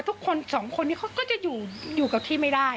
ทุกคนสองคนนี้เขาก็จะอยู่กับที่ไม่ได้